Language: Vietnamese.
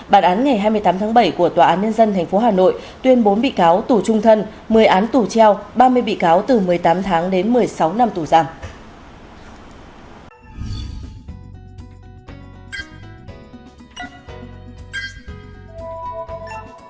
bản án ngày hai mươi tám tháng bảy của tòa án nhân dân tp hà nội tuyên bốn bị cáo tù trung thân một mươi án tù treo ba mươi bị cáo từ một mươi tám tháng đến một mươi sáu năm tù giảm